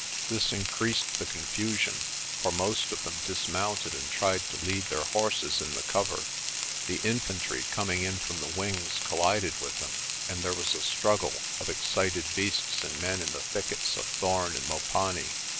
This increased the confusion, for most of them dismounted and tried to lead their horses in the cover. The infantry coming in from the wings collided with them and there was a struggle of excited beasts and men in the thickets of thorn and mopani.